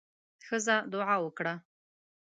ښځه دعا وکړه.